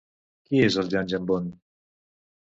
Qui és Jan Jambon?